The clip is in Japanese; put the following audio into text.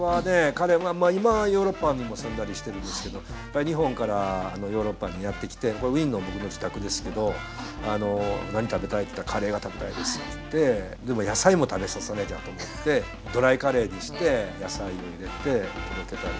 彼今はヨーロッパにも住んだりしてるんですけど日本からヨーロッパにやって来てこれはウィーンの僕の自宅ですけど何食べたい？って言ったらでも野菜も食べさせなきゃと思ってドライカレーにして野菜を入れて届けたり。